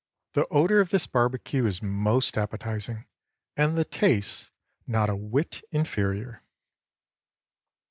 The odor of this barbecue is most appetizing, and the taste not a whit inferior.